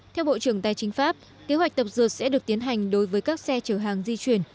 theo bộ trưởng tài chính pháp kế hoạch tập dượt sẽ được tiến hành đối với các xe chở hàng di chuyển